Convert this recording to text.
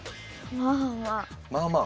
まあまあ？